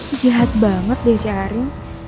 om akan mencari michelle